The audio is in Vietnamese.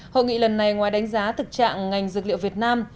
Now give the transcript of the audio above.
hội nghị lần này ngoài đánh giá thực trạng ngành dược liệu việt nam